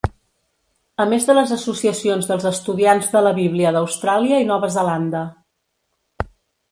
A més de les Associacions dels Estudiants de la Bíblia d'Austràlia i Nova Zelanda.